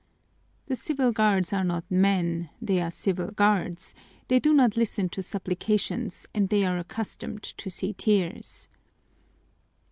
The civil guards are not men, they are civil guards; they do not listen to supplications and they are accustomed to see tears.